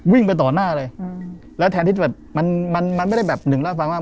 วิ่งไปต่อหน้าเลยอืมแล้วแทนที่จะแบบมันมันมันไม่ได้แบบหนึ่งล่าฟังว่า